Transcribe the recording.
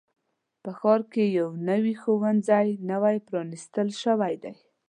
په ښار کې یو نوي ښوونځی نوی پرانیستل شوی دی.